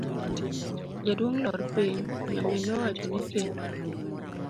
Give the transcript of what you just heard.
Jaduong' lor piny, nyamin nowachone kendo.